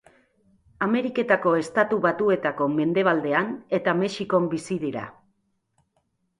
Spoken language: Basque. Ameriketako Estatu Batuetako mendebaldean eta Mexikon bizi dira.